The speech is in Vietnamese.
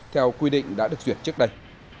theo quy định đã được duyệt trước đây